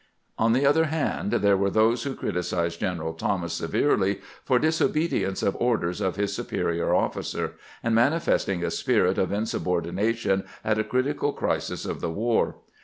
On the other hand, there were those who criticized Gren eral Thomas severely for disobedience of orders of his superior oflficer, and manifesting a spirit of insubordi nation at a critical crisis of the war.